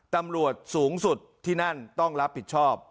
ตำรวจสูงสุดที่นั่นต้องรับผิดชอบ